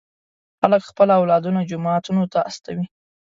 خلک خپل اولادونه جوماتونو ته استوي.